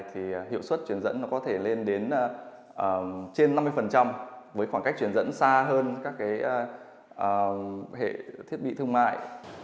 thì hiệu suất chuyển dẫn nó có thể lên đến trên năm mươi với khoảng cách chuyển dẫn xa hơn các hệ thiết bị thương mại